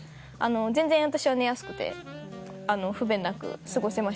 全然私は寝やすくて不便なく過ごせました。